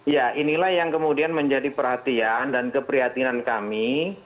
ya inilah yang kemudian menjadi perhatian dan keprihatinan kami